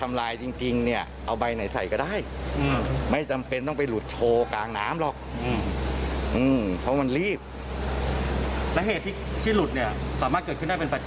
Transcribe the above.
มารอดรอเลยไม่ได้ตรวจเช็คด้วยพิษพลาดด้วยยอมรับเลยว่าทีมผิดพลาดด้วย